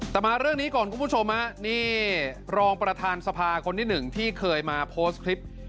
แต่มาเรื่องนี้ก่อนคุณผู้ชมฮะนี่รองประธานสภาคนที่หนึ่งที่เคยมาโพสต์คลิป